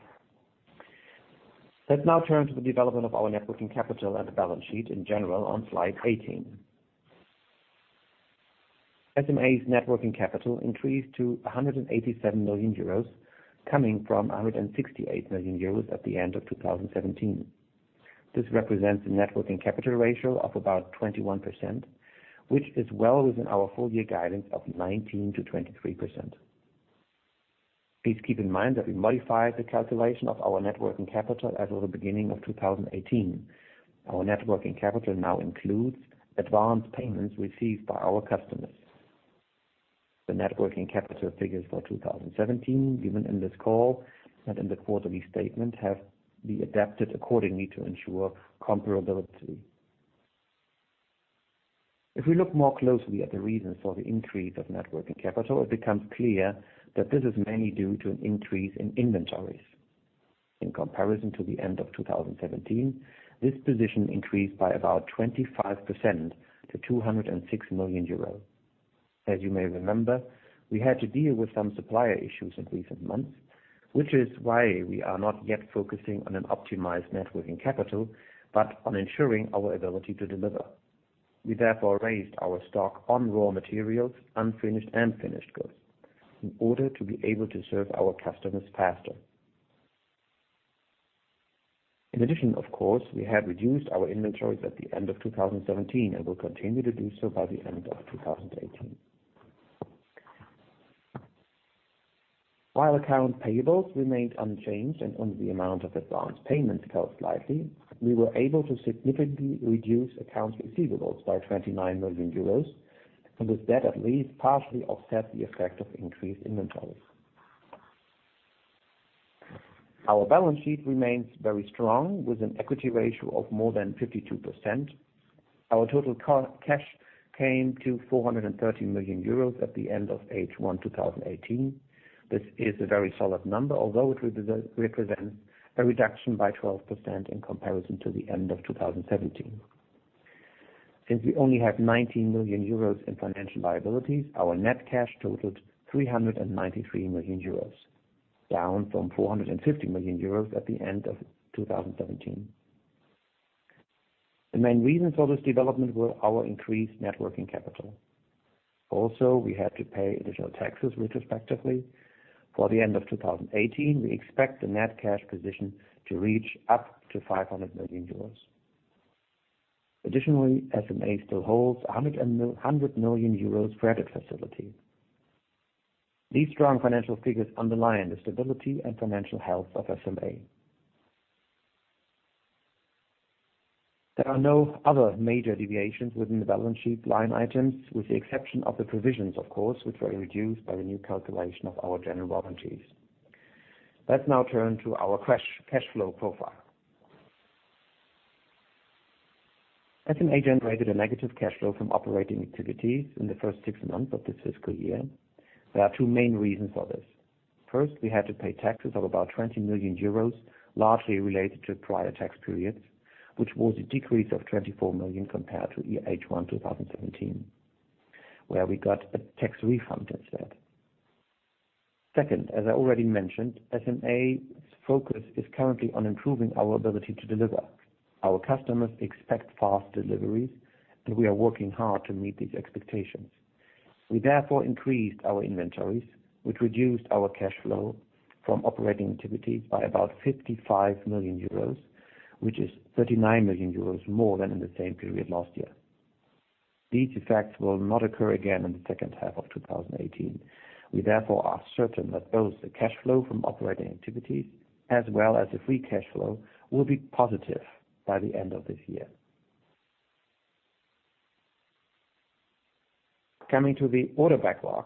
Let's now turn to the development of our net working capital and the balance sheet in general on slide 18. SMA's net working capital increased to 187 million euros, coming from 168 million euros at the end of 2017. This represents a net working capital ratio of about 21%, which is well within our full year guidance of 19%-23%. Please keep in mind that we modified the calculation of our net working capital as of the beginning of 2018. Our net working capital now includes advance payments received by our customers. The net working capital figures for 2017 given in this call and in the quarterly statement have been adapted accordingly to ensure comparability. If we look more closely at the reasons for the increase of net working capital, it becomes clear that this is mainly due to an increase in inventories. In comparison to the end of 2017, this position increased by about 25% to 206 million euros. As you may remember, we had to deal with some supplier issues in recent months, which is why we are not yet focusing on an optimized net working capital, but on ensuring our ability to deliver. We therefore raised our stock on raw materials, unfinished and finished goods, in order to be able to serve our customers faster. In addition, of course, we had reduced our inventories at the end of 2017 and will continue to do so by the end of 2018. While accounts payable remained unchanged and only the amount of advance payments fell slightly, we were able to significantly reduce accounts receivable by 29 million euros and with that at least partially offset the effect of increased inventories. Our balance sheet remains very strong with an equity ratio of more than 52%. Our total cash came to 430 million euros at the end of H1 2018. This is a very solid number, although it represents a reduction by 12% in comparison to the end of 2017. Since we only have 19 million euros in financial liabilities, our net cash totaled 393 million euros, down from 450 million euros at the end of 2017. The main reasons for this development were our increased net working capital. We had to pay additional taxes retrospectively. For the end of 2018, we expect the net cash position to reach up to 500 million euros. SMA still holds 100 million euros credit facility. These strong financial figures underline the stability and financial health of SMA. There are no other major deviations within the balance sheet line items, with the exception of the provisions, of course, which were reduced by the new calculation of our general warranties. Let's now turn to our cash flow profile. SMA generated a negative cash flow from operating activities in the first six months of this fiscal year. There are two main reasons for this. First, we had to pay taxes of about 20 million euros, largely related to prior tax periods, which was a decrease of 24 million compared to H1 2017, where we got a tax refund instead. Second, as I already mentioned, SMA's focus is currently on improving our ability to deliver. Our customers expect fast deliveries, and we are working hard to meet these expectations. We therefore increased our inventories, which reduced our cash flow from operating activities by about 55 million euros, which is 39 million euros more than in the same period last year. These effects will not occur again in the second half of 2018. We therefore are certain that both the cash flow from operating activities as well as the free cash flow will be positive by the end of this year. Coming to the order backlog.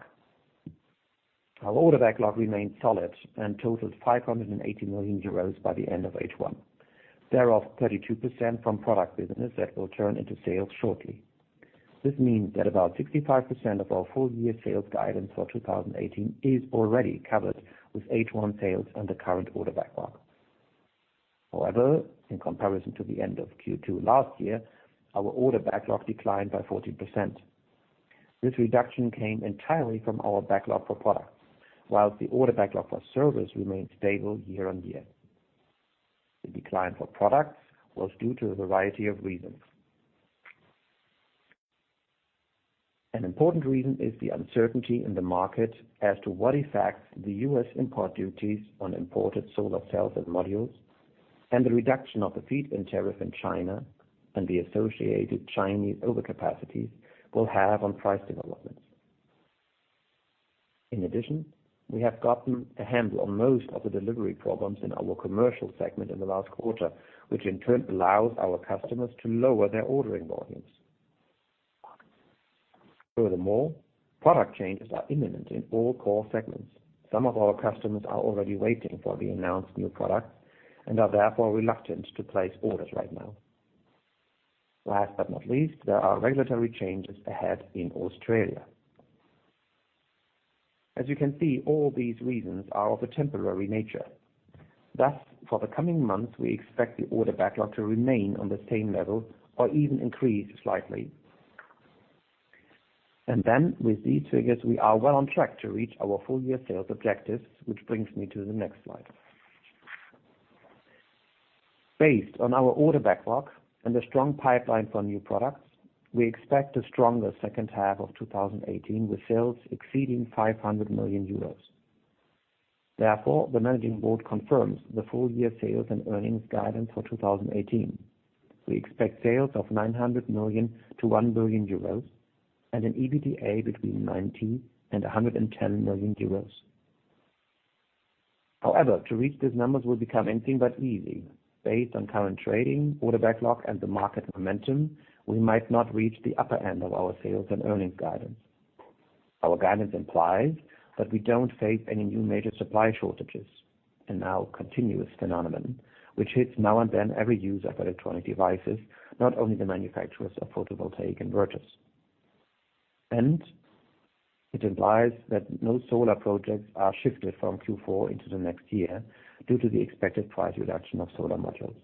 Our order backlog remained solid and totaled 580 million euros by the end of H1, thereof 32% from product business that will turn into sales shortly. This means that about 65% of our full year sales guidance for 2018 is already covered with H1 sales and the current order backlog. However, in comparison to the end of Q2 last year, our order backlog declined by 14%. This reduction came entirely from our backlog for products, whilst the order backlog for service remained stable year-on-year. The decline for products was due to a variety of reasons. An important reason is the uncertainty in the market as to what effects the U.S. import duties on imported solar cells and modules and the reduction of the feed-in tariff in China and the associated Chinese overcapacities will have on price developments. We have gotten a handle on most of the delivery problems in our commercial segment in the last quarter, which in turn allows our customers to lower their ordering volumes. Product changes are imminent in all core segments. Some of our customers are already waiting for the announced new product and are therefore reluctant to place orders right now. There are regulatory changes ahead in Australia. All these reasons are of a temporary nature. For the coming months, we expect the order backlog to remain on the same level or even increase slightly. With these figures, we are well on track to reach our full year sales objectives, which brings me to the next slide. Based on our order backlog and a strong pipeline for new products, we expect a stronger second half of 2018 with sales exceeding 500 million euros. The managing board confirms the full-year sales and earnings guidance for 2018. We expect sales of 900 million to 1 billion euros and an EBITDA between 90 million and 110 million euros. To reach these numbers will become anything but easy. Based on current trading, order backlog, and the market momentum, we might not reach the upper end of our sales and earnings guidance. Our guidance implies that we don't face any new major supply shortages and no continuous phenomenon, which hits now and then every user of electronic devices, not only the manufacturers of photovoltaic inverters. It implies that no solar projects are shifted from Q4 into the next year due to the expected price reduction of solar modules.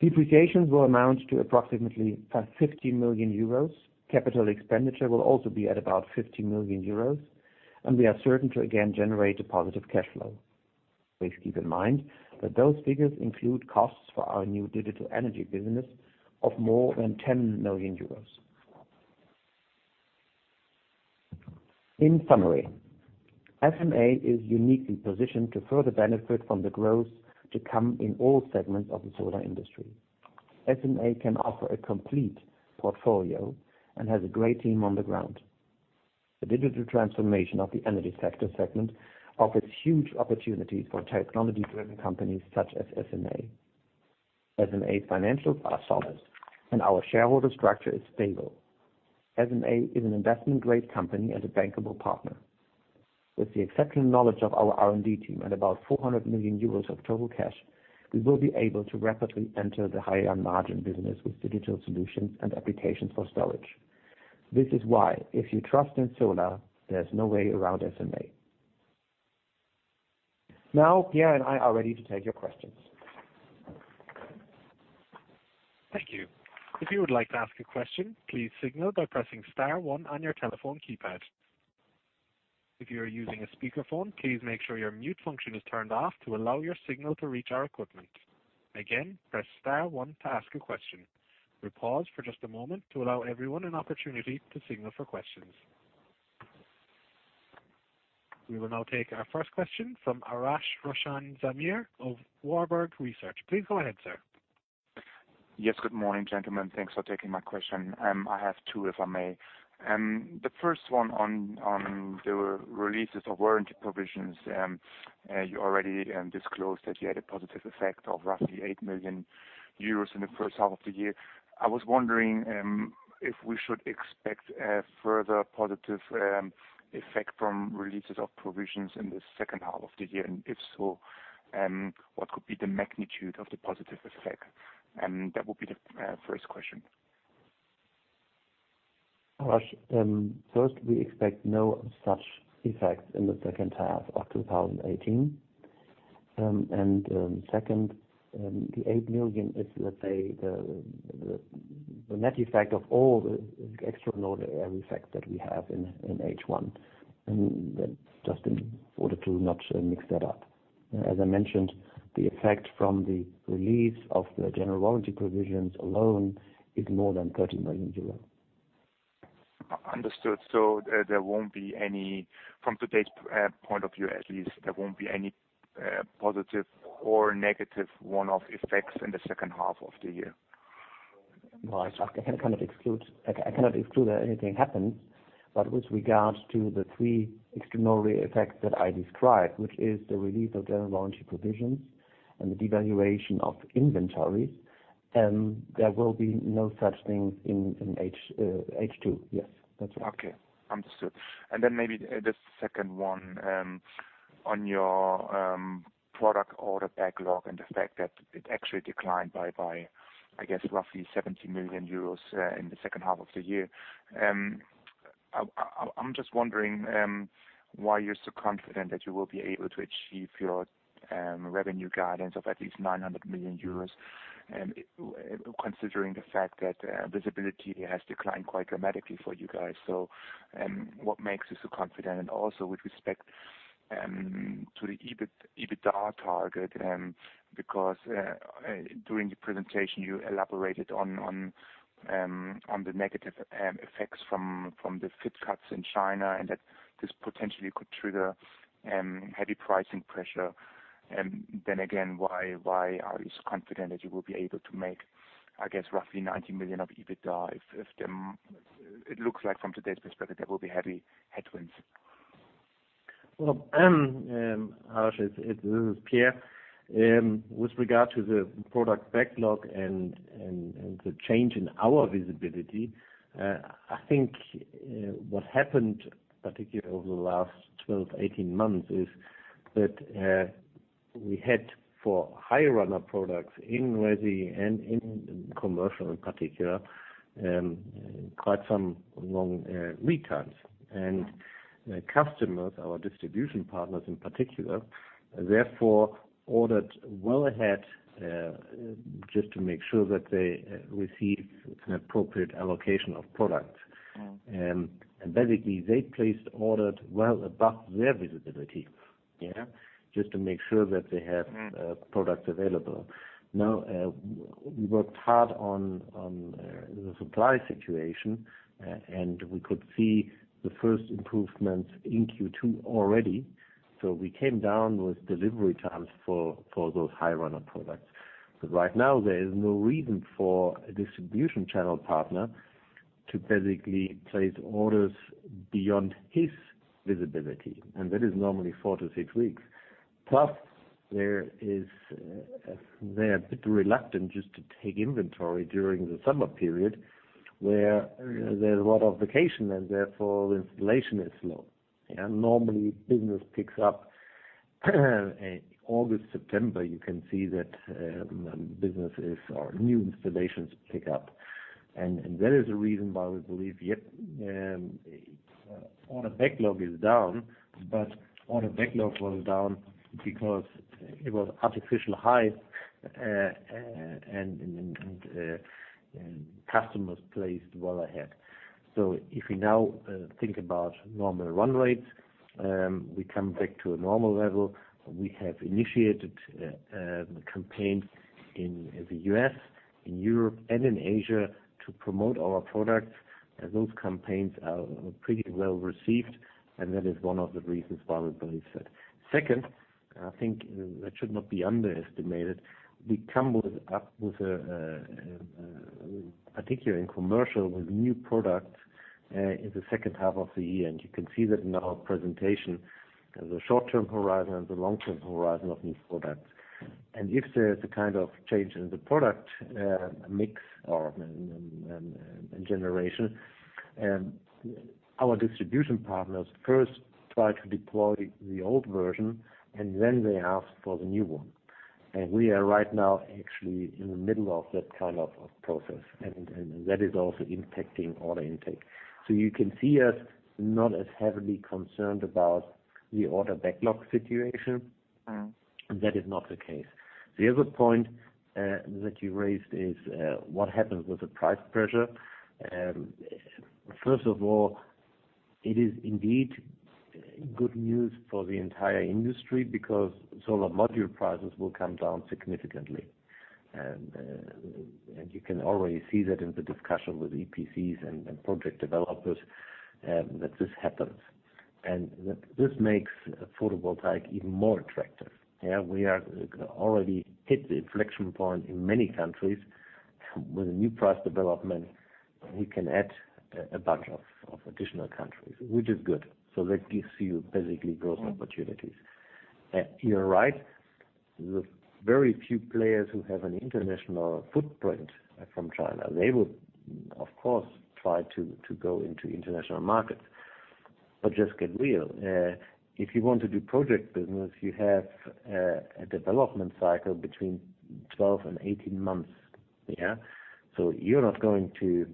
Depreciation will amount to approximately 50 million euros. Capital expenditure will also be at about 50 million euros, and we are certain to again generate a positive cash flow. Please keep in mind that those figures include costs for our new digital energy business of more than 10 million euros. In summary, SMA is uniquely positioned to further benefit from the growth to come in all segments of the solar industry. SMA can offer a complete portfolio and has a great team on the ground. The digital transformation of the energy sector segment offers huge opportunities for technology-driven companies such as SMA. SMA's financials are solid and our shareholder structure is stable. SMA is an investment-grade company and a bankable partner. With the exceptional knowledge of our R&D team and about 400 million euros of total cash, we will be able to rapidly enter the higher margin business with digital solutions and applications for storage. This is why if you trust in solar, there's no way around SMA. Now, Pierre and I are ready to take your questions. Thank you. If you would like to ask a question, please signal by pressing star one on your telephone keypad. If you are using a speakerphone, please make sure your mute function is turned off to allow your signal to reach our equipment. Again, press star one to ask a question. We will pause for just a moment to allow everyone an opportunity to signal for questions. We will now take our first question from Arash Roshan Zamir of Warburg Research. Please go ahead, sir. Yes. Good morning, gentlemen. Thanks for taking my question. I have two, if I may. The first one on the releases of warranty provisions. You already disclosed that you had a positive effect of roughly 8 million euros in the first half of the year. I was wondering if we should expect a further positive effect from releases of provisions in the second half of the year, and if so, what could be the magnitude of the positive effect? That would be the first question. Arash, first we expect no such effects in the second half of 2018. Second, the 8 million is, let's say, the net effect of all the extraordinary effects that we have in H1. Just in order to not mix that up. As I mentioned, the effect from the release of the general warranty provisions alone is more than 30 million euros. Understood. From today's point of view, at least there won't be any positive or negative one-off effects in the second half of the year. No, I cannot exclude that anything happens, but with regards to the three extraordinary effects that I described, which is the release of general warranty provisions and the devaluation of inventories, there will be no such things in H2. Yes, that's right. Okay. Understood. Then maybe the second one, on your product order backlog and the fact that it actually declined by, I guess, roughly 70 million euros in the second half of the year. I'm just wondering why you're so confident that you will be able to achieve your revenue guidance of at least 900 million euros and considering the fact that visibility has declined quite dramatically for you guys. What makes you so confident? Also with respect to the EBITDA target, because during the presentation, you elaborated on the negative effects from the FIT cuts in China and that this potentially could trigger heavy pricing pressure. Then again, why are you so confident that you will be able to make, I guess, roughly 90 million EUR of EBITDA if it looks like from today's perspective, there will be heavy headwinds? Well, Arash, this is Pierre. With regard to the product backlog and the change in our visibility, I think what happened, particularly over the last 12, 18 months, is that we had for high runner products in resi and in commercial in particular, quite some long lead times. Customers, our distribution partners in particular, therefore ordered well ahead, just to make sure that they receive an appropriate allocation of product. Basically, they placed orders well above their visibility Yeah. Just to make sure that they have products available. Now, we worked hard on the supply situation, and we could see the first improvements in Q2 already. We came down with delivery times for those high-runner products. Because right now, there is no reason for a distribution channel partner to basically place orders beyond his visibility, and that is normally four to six weeks. Plus, they're a bit reluctant just to take inventory during the summer period, where there's a lot of vacation and therefore installation is low. Normally, business picks up August, September, you can see that businesses or new installations pick up. That is the reason why we believe, yep, order backlog is down, but order backlog was down because it was artificially high and customers placed well ahead. If we now think about normal run rates, we come back to a normal level. We have initiated campaigns in the U.S., in Europe, and in Asia to promote our products. Those campaigns are pretty well-received, and that is one of the reasons why we believe that. Second, I think that should not be underestimated. We come up with, particularly in commercial, with new products in the second half of the year. You can see that in our presentation, the short-term horizon and the long-term horizon of new products. If there's a kind of change in the product mix or in generation, our distribution partners first try to deploy the old version, and then they ask for the new one. We are right now actually in the middle of that kind of process, and that is also impacting order intake. You can see us not as heavily concerned about the order backlog situation. That is not the case. The other point that you raised is what happens with the price pressure. First of all, it is indeed good news for the entire industry because solar module prices will come down significantly. You can already see that in the discussion with EPCs and project developers that this happens. This makes photovoltaic even more attractive. We are already hit the inflection point in many countries. With the new price development, we can add a bunch of additional countries, which is good. That gives you basically growth opportunities. You're right. The very few players who have an international footprint from China, they will, of course, try to go into international markets. Just get real. If you want to do project business, you have a development cycle between 12 and 18 months. You're not going to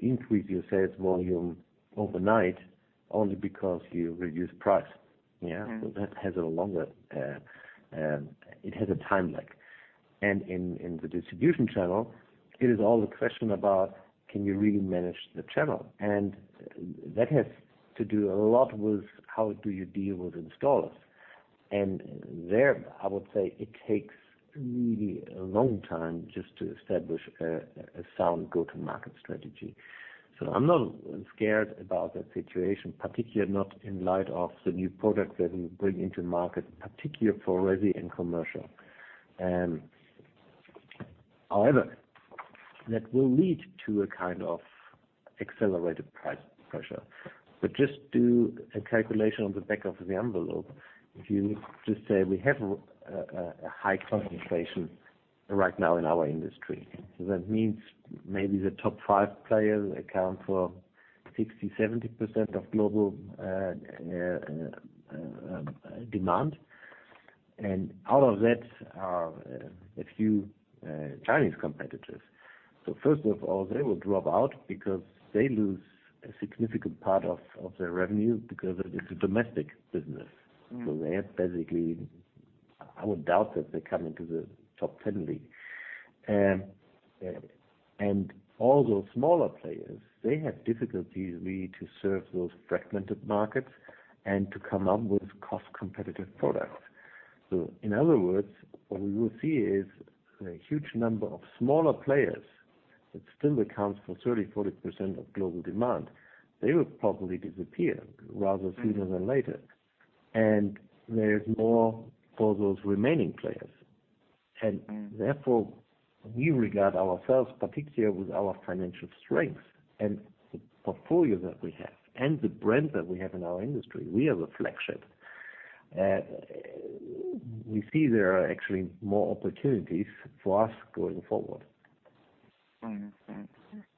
increase your sales volume overnight only because you reduce price. That has a longer time lag. In the distribution channel, it is all a question about can you really manage the channel? That has to do a lot with how do you deal with installers. There, I would say it takes really a long time just to establish a sound go-to-market strategy. I'm not scared about that situation, particularly not in light of the new products that we bring into the market, particularly for resi and commercial. That will lead to a kind of accelerated price pressure. Just do a calculation on the back of the envelope. You just say we have a high concentration right now in our industry. That means maybe the top five players account for 60%-70% of global demand. Out of that are a few Chinese competitors. First of all, they will drop out because they lose a significant part of their revenue because it is a domestic business. They are basically, I would doubt that they come into the top 10 league. All those smaller players, they have difficulties really to serve those fragmented markets and to come up with cost-competitive products. In other words, what we will see is a huge number of smaller players that still account for 30%-40% of global demand. They will probably disappear rather sooner than later. There is more for those remaining players. Therefore, we regard ourselves, particularly with our financial strength and the portfolio that we have, and the brand that we have in our industry. We are a flagship. We see there are actually more opportunities for us going forward.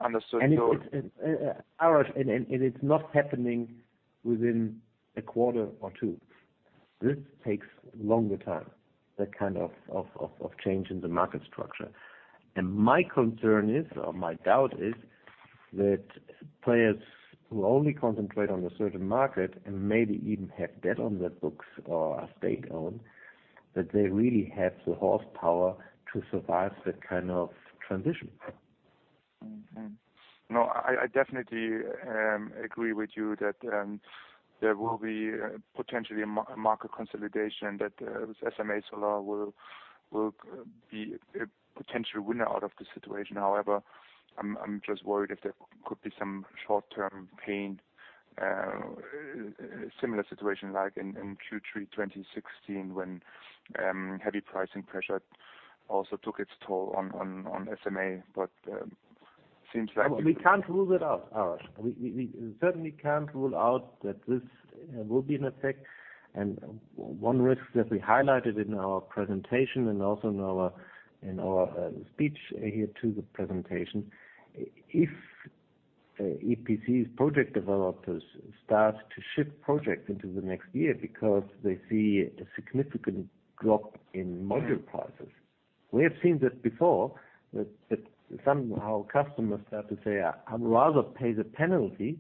Understood. Arash, it's not happening within a quarter or two. This takes a longer time, that kind of change in the market structure. My concern is, or my doubt is, that players who only concentrate on a certain market and maybe even have debt on their books or are state-owned, that they really have the horsepower to survive that kind of transition. No, I definitely agree with you that there will be potentially a market consolidation that SMA Solar will be a potential winner out of the situation. However, I'm just worried if there could be some short-term pain, similar situation like in Q3 2016 when heavy pricing pressure also took its toll on SMA. We can't rule that out, Arash. We certainly can't rule out that this will be in effect. One risk that we highlighted in our presentation and also in our speech here to the presentation, if EPCs project developers start to shift projects into the next year because they see a significant drop in module prices. We have seen that before, that somehow customers start to say, "I'd rather pay the penalty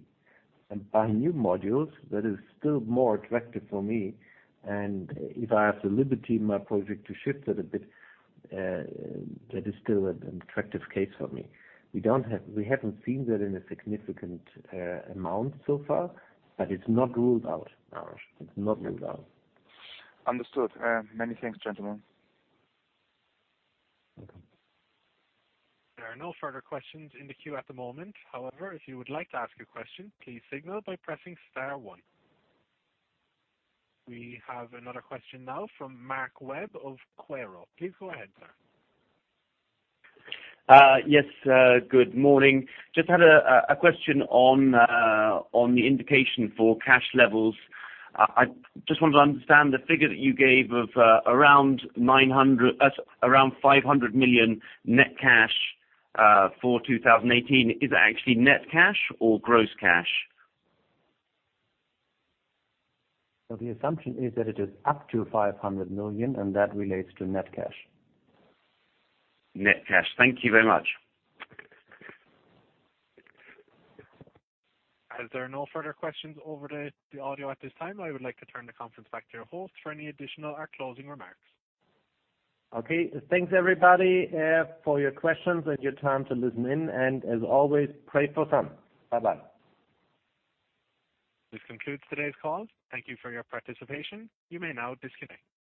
and buy new modules. That is still more attractive for me. If I have the liberty in my project to shift that a bit, that is still an attractive case for me." We haven't seen that in a significant amount so far, it's not ruled out, Arash. It's not ruled out. Understood. Many thanks, gentlemen. Welcome. There are no further questions in the queue at the moment. If you would like to ask a question, please signal by pressing star one. We have another question now from Mark Webb of Quaero. Please go ahead, sir. Good morning. Just had a question on the indication for cash levels. I just wanted to understand the figure that you gave of around 500 million net cash for 2018. Is that actually net cash or gross cash? The assumption is that it is up to 500 million, and that relates to net cash. Net cash. Thank you very much. As there are no further questions over the audio at this time, I would like to turn the conference back to your host for any additional or closing remarks. Okay. Thanks everybody for your questions and your time to listen in. As always, pray for sun. Bye-bye. This concludes today's call. Thank you for your participation. You may now disconnect.